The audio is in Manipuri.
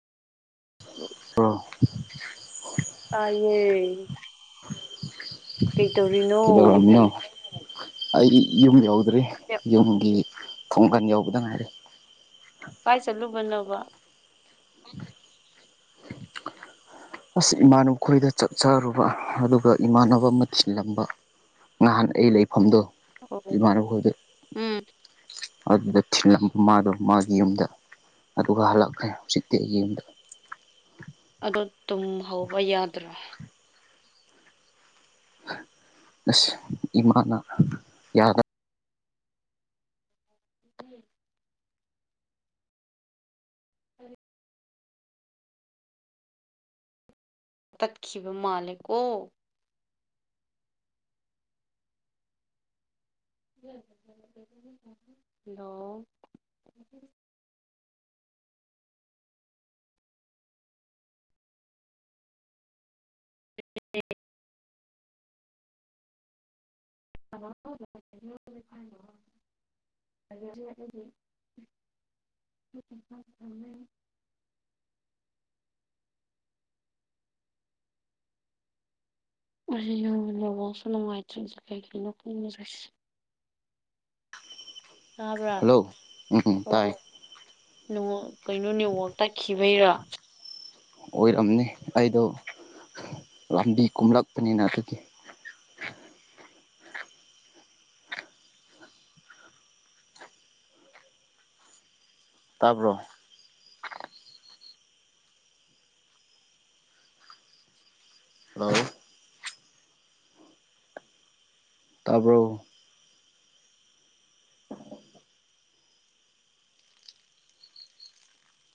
ꯕ꯭ꯔꯣ ꯇꯥꯏꯌꯦ ꯀꯩꯇꯧꯔꯤꯅꯣ ꯀꯩꯗꯧꯔꯝꯃꯤꯅꯣ ꯑꯩꯗꯤ ꯌꯨꯝ ꯌꯧꯗ꯭ꯔꯤ ꯌꯨꯝꯒꯤ ꯊꯣꯡꯒꯟ ꯌꯧꯕꯗ ꯉꯥꯏꯔꯦ ꯀꯥꯏ ꯆꯠꯂꯨꯕꯅꯣꯕ ꯑꯁ ꯏꯃꯥꯟꯅꯕ ꯈꯣꯏꯗ ꯆꯥꯛ ꯆꯔꯨꯕ ꯑꯗꯨꯒ ꯏꯃꯥꯟꯅꯕ ꯑꯃꯥ ꯊꯤꯜꯂꯝꯕ ꯉꯍꯥꯟ ꯑꯩ ꯂꯩꯐꯝꯗꯣ ꯑꯣ ꯏꯃꯥꯟꯅꯕ ꯈꯣꯏꯗ ꯎꯝ ꯑꯗꯣ ꯊꯤꯜꯂꯝ ꯃꯥꯗꯣ ꯃꯥꯒꯤ ꯌꯨꯝꯗ ꯑꯗꯨꯒ ꯍꯜꯂꯛꯈ꯭ꯔꯦ ꯍꯧꯖꯤꯛꯇꯤ ꯑꯩꯒꯤ ꯌꯨꯝꯗ ꯑꯗꯣ ꯇꯨꯝꯍꯧꯕ ꯌꯥꯗ꯭ꯔꯣ ꯑꯁ ꯏꯃꯥꯅ ꯌꯥꯗ ꯌꯦ [unintelligible] [inaudible] ꯎ [unintelligible] [inaudible] ꯇꯠꯈꯤꯕ ꯃꯥꯜꯂꯦꯀꯣ ꯍꯜꯂꯣ ꯎ [unintelligible] ꯑꯣ [unintelligible] [unintelligible] [inaudible] ꯃꯁꯤ ꯌꯧꯅ ꯅꯦꯠꯋꯥꯔꯛꯁꯨ ꯅꯨꯡꯉꯥꯏꯇ꯭ꯔꯤꯁꯦ ꯀꯩꯒꯤꯅꯣ ꯈꯪꯅꯁꯦ [unintelligible] ꯇꯥꯕ꯭ꯔꯥ ꯍꯜꯂꯣ ꯎꯝ ꯑꯣ ꯇꯥꯏ ꯅꯋꯥ ꯀꯩꯅꯣ ꯅꯦꯠꯋꯥꯔꯛ ꯇꯠꯈꯤꯕꯩꯔꯥ ꯑꯣꯏꯔꯝꯅꯤ ꯑꯩꯗꯣ ꯂꯝꯕꯤ ꯀꯨꯝꯂꯛꯄꯅꯤꯅ ꯑꯗꯨꯒꯤ ꯇꯥꯕ꯭ꯔꯣ ꯍꯜꯂꯣ ꯇꯥꯕ꯭ꯔꯣ